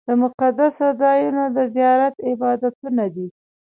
د مقدسو ځایونو د زیارت عبادتونه دي.